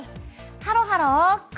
ハロハロ